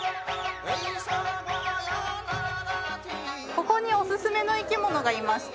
ここにオススメの生き物がいまして。